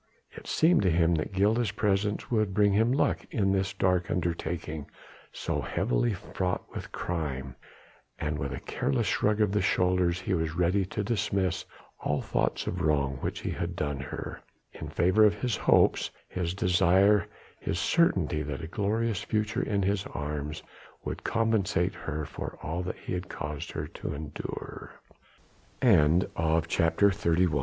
It seemed to him that Gilda's presence would bring him luck in his dark undertaking so heavily fraught with crime, and with a careless shrug of the shoulders he was ready to dismiss all thoughts of the wrong which he had done her, in favour of his hopes, his desire, his certainty that a glorious future in his arms would compensate her for all that he had caused her to endu